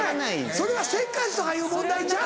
それはせっかちとかいう問題ちゃう。